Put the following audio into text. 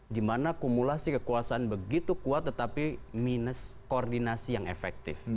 dimana kumulasi kekuasaan begitu kuat tetapi minus koordinasi yang efektif